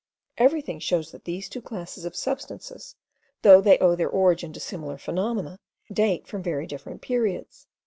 everything shows that these two classes of substances, though they owe their origin to similar phenomena, date from very different periods.